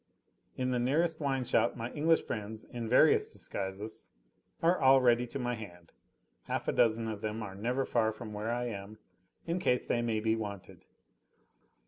In the nearest wine shop my English friends, in various disguises, are all ready to my hand: half a dozen of them are never far from where I am in case they may be wanted."